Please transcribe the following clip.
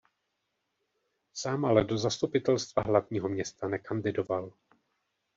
Sám ale do zastupitelstva hlavního města nekandidoval.